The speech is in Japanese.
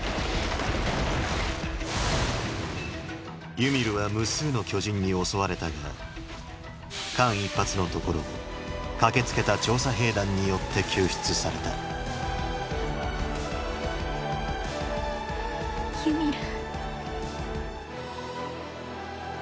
ユミルは無数の巨人に襲われたが間一髪のところを駆けつけた調査兵団によって救出されたユミル。